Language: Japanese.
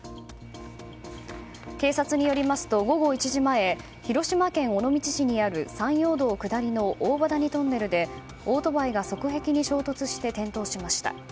警察によりますと午後１時前、広島県尾道市にある山陽道下りの大羽谷トンネルでオートバイが側壁に衝突して転倒しました。